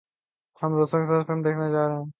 ہم دوستوں کے ساتھ فلم دیکھنے جا رہے ہیں